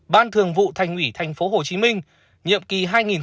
ban thường vụ thành ủy tp hcm nhiệm kỳ hai nghìn một mươi hai nghìn một mươi năm